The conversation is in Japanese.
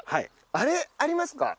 あれありますか？